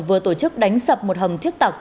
vừa tổ chức đánh sập một hầm thiết tặc